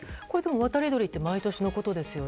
渡り鳥って毎年のことですよね。